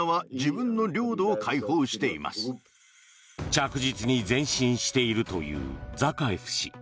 着実に前進しているというザカエフ氏。